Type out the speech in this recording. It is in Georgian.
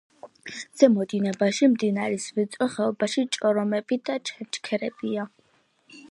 ზემო დინებაში, მდინარის ვიწრო ხეობაში, ჭორომები და ჩანჩქერებია.